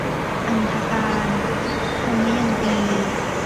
อันธการ - ทมยันตี